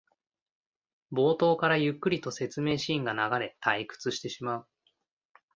冒頭からゆっくりと説明シーンが流れ退屈してしまう